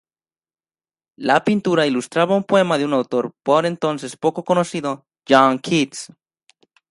La pintura ilustraba un poema de un autor por entonces poco conocido, John Keats.